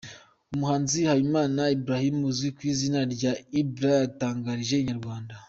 Umuhanzi Habimana Ibrahim uzwi ku izina rya Ibra yatangarije Inyarwanda.